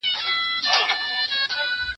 تاج پر سر څپلۍ په پښو توره تر ملاوه